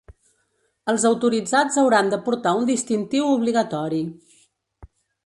Els autoritzats hauran de portar un distintiu obligatori.